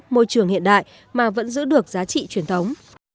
môi trường hiện đại mà vẫn giữ được giá trị truyền thống